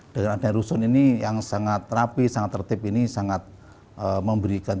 dengan ada rusun ini yang sangat rapi sangat tertib ini sangat memberikan